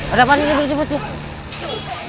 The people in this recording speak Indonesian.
ada apa ini bercepetnya